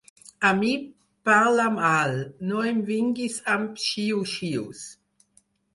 A mi, parla'm alt: no em vinguis amb xiu-xius.